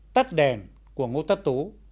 tắt đèn của ngô tát tố